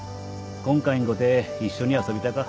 今回んごて一緒に遊びたか。